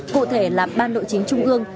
cụ thể là ban nội chính trung ương